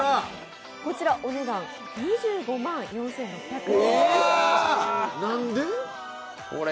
こちらお値段、２５万４６００円。